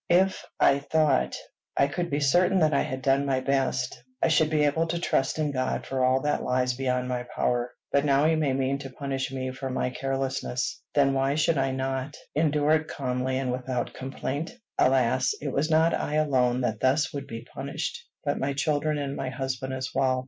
"If," I thought, "I could be certain that I had done my best, I should be able to trust in God for all that lies beyond my power; but now he may mean to punish me for my carelessness." Then why should I not endure it calmly and without complaint? Alas! it was not I alone that thus would be punished, but my children and my husband as well.